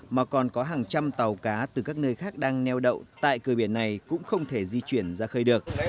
mà còn có hàng trăm tàu cá từ các nơi khác đang neo đậu tại cửa biển này cũng không thể di chuyển ra khơi được